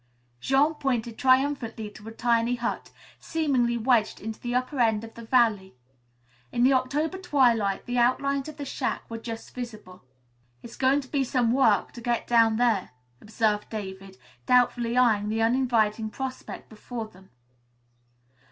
Jean pointed triumphantly to a tiny hut, seemingly wedged into the upper end of the valley. In the October twilight the outlines of the shack were just visible. "It's going to be some work to get down there," observed David, doubtfully eyeing the uninviting prospect before them.